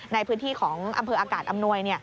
ในพื้นที่ของอำเภออากาศอำนวย